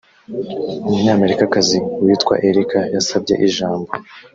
umunyamerikakazi witwa Erica yasabye ijambo